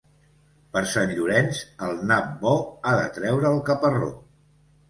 Per Sant Llorenç el nap bo ha de treure el caparró.